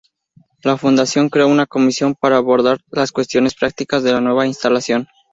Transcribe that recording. La fundación creó una comisión para abordar las cuestiones prácticas de la nueva instalación.